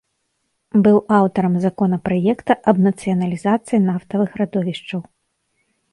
Быў аўтарам законапраекта аб нацыяналізацыі нафтавых радовішчаў.